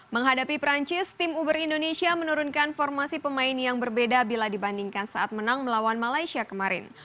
menghadapi perancis tim uber indonesia menurunkan formasi pemain yang berbeda bila dibandingkan saat menang melawan malaysia kemarin